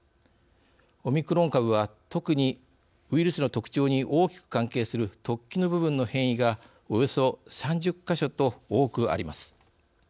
オミクロン株は特にウイルスの特徴に大きく関係する突起の部分の変異がおよそ３０か所と多くあります。